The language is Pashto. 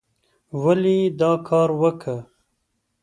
ولې یې دا کار وکه؟